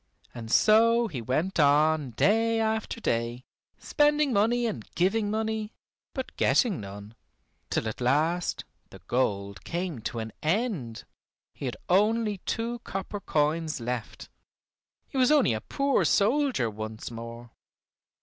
And so he went on day after day, spending money and giving money, but getting none, till at last the gold came to an end. He had only two copper coins left: he was only a poor soldier once more.